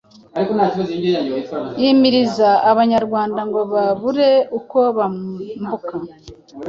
yimiriza Abanyarwanda ngo babure uko bambuka